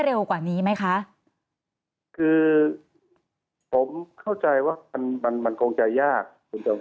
เรียกรู้สึกว่าตอนนี้กระทรวงการคลังคุยกันอยู่ที่นี้